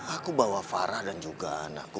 aku bawa farah dan juga anakku